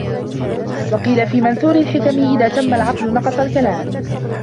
وَقِيلَ فِي مَنْثُورِ الْحِكَمِ إذَا تَمَّ الْعَقْلُ نَقَصَ الْكَلَامُ